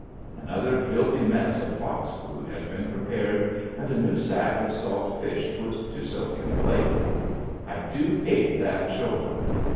Another filthy mess of fox food has been prepared and a new sack of salt fish put to soak in the lake. I do hate that chore.